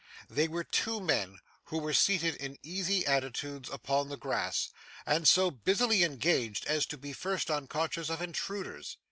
They were two men who were seated in easy attitudes upon the grass, and so busily engaged as to be at first unconscious of intruders.